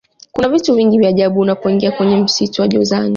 kuna vitu vingi vya ajabu unapoingia kwenye msitu wa jozani